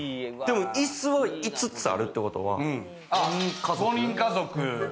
いすが５つあるってことは５人家族。